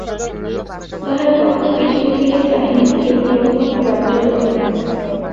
তাঁহারা কখনও পিছনে ফিরিয়া চাহেন না এবং লোকমত গ্রাহ্যও করেন না।